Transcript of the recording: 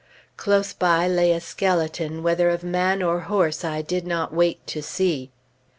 Close by lay a skeleton, whether of man or horse, I did not wait to see.